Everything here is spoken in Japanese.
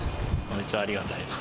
めっちゃありがたい。